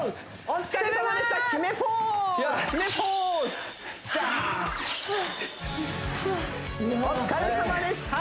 お疲れさまでした！